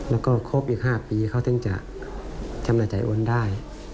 แล้วก็ครบอีก๕ปีเขาต้องจะชำนาจใจโอนได้